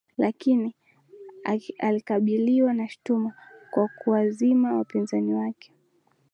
Lakini alikabiliwa na shutuma kwa kuwazima wapinzani wake